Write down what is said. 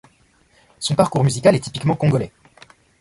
Son parcours musical est typiquement congolais.